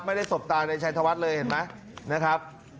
สบตาในชัยธวัฒน์เลยเห็นไหมนะครับ